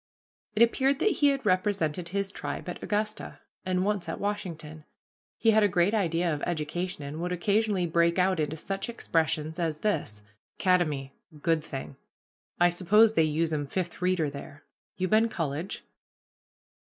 It appeared that he had represented his tribe at Augusta, and once at Washington. He had a great idea of education, and would occasionally break out into such expressions as this, "Kademy good thing I suppose they usum Fifth Reader there. You been college?"